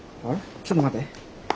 ちょっと待て。